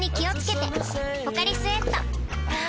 「ポカリスエット」